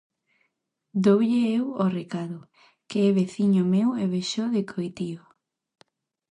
Doulle eu o recado, que é veciño meu e véxoo decotío.